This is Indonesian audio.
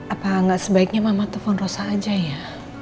apa gak sebaiknya mama telfon rosa aja ya